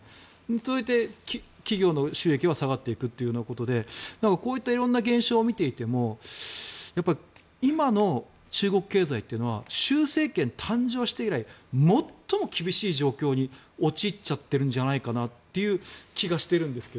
そうして企業の収益が下がっていくというわけでだから、こういったいろんな現象を見ていても今の中国経済というのは習政権誕生して以来最も厳しい状況に陥っちゃっているんじゃないかなという気がしているんですが。